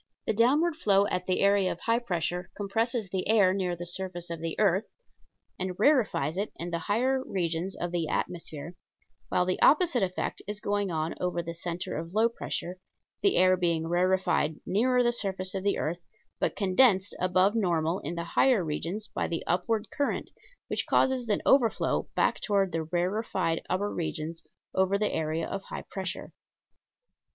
The downward flow at the area of high pressure compresses the air near the surface of the earth and rarefies it in the higher regions of the atmosphere, while the opposite effect is going on over the center of low pressure, the air being rarefied nearer the surface of the earth, but condensed above normal in the higher regions by the upward current, which causes an overflow back toward the rarefied upper regions over the area of high pressure.